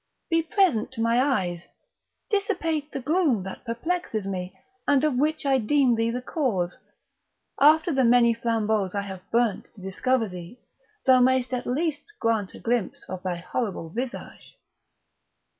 be present to my eyes; dissipate the gloom that perplexes me, and of which I deem thee the cause; after the many flambeaux I have burnt to discover thee, thou mayst at least grant a glimpse of thy horrible visage."